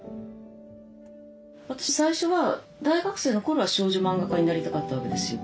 私最初は大学生の頃は少女漫画家になりたかったわけですよ。